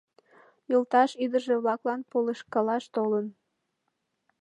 Йолташ ӱдыржӧ-влаклан полышкалаш толын.